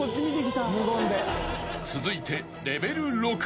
［続いて］